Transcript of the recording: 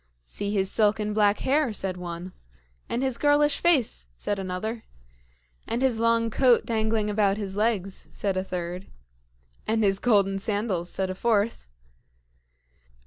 "See his silken black hair!" said one. "And his girlish face!" said another. "And his long coat dangling about his legs!" said a third. "And his golden sandals!" said a fourth.